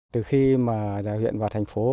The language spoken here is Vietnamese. từ khi mà đại huyện và thành phố